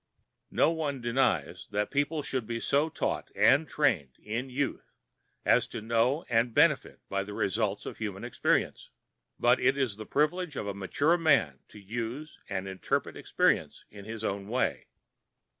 No one denies that people should be so taught and trained in youth as to know and benefit by the results of human experience. But it is the privilege of a mature man to use and interpret experience in his own way.